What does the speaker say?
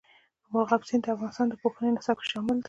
مورغاب سیند د افغانستان د پوهنې نصاب کې شامل دی.